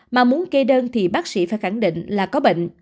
mà muốn kê đơn thì bác sĩ phải khẳng định là có bệnh